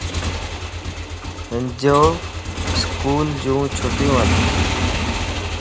ھنجي اسڪولَ جون چھٽيون وَن